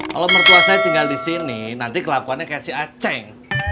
kalo mertua saya tinggal disini nanti kelakuannya kayak si a ceng